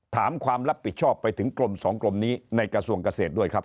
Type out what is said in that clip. ความรับผิดชอบไปถึงกรมสองกรมนี้ในกระทรวงเกษตรด้วยครับ